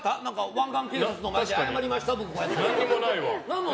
湾岸警察の前で僕、謝りました？